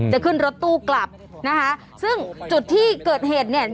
จะขึ้นรถตู้กลับนะคะซึ่งจุดที่เกิดเหตุเนี่ย